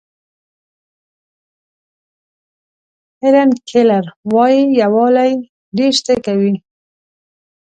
هیلن کیلر وایي یووالی ډېر څه کوي.